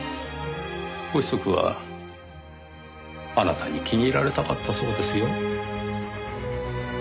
ご子息はあなたに気に入られたかったそうですよ。